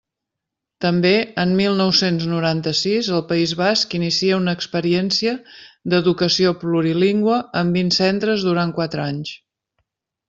També, en mil nou-cents noranta-sis, el País Basc inicia una experiència d'educació plurilingüe en vint centres durant quatre anys.